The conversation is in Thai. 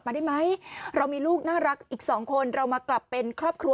มาได้ไหมเรามีลูกน่ารักอีกสองคนเรามากลับเป็นครอบครัว